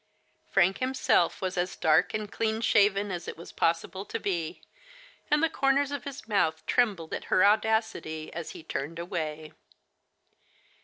Frank himself was as dark and clean shaven as it was possible to be, and the corners of his mouth trembled at her audacity, as he turned away.